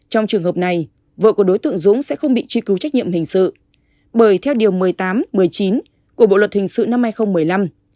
trong trường hợp này vợ của đối tượng dũng sẽ không bị truy cứu trách nhiệm hình sự bởi theo điều một mươi tám một mươi chín của bộ luật hình sự năm hai nghìn một mươi năm